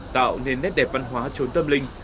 tạo nên nét đẹp văn hóa trốn tâm linh